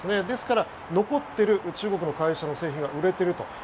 ですから、残っている中国の会社の製品が売れていると。